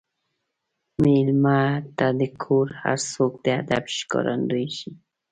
مېلمه ته د کور هر څوک د ادب ښکارندوي شي.